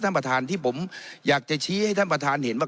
ท่านประธานที่ผมอยากจะชี้ให้ท่านประธานเห็นว่า